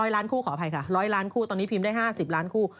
ล้านคู่ขออภัยค่ะ๑๐๐ล้านคู่ตอนนี้พิมพ์ได้๕๐ล้านคู่